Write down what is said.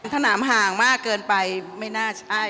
ถ้าน้ำห่างมากเกินไปไม่น่าใช่